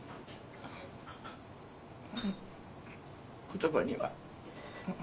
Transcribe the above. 言葉には。